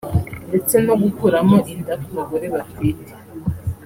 ndetse no gukuramo inda ku bagore batwite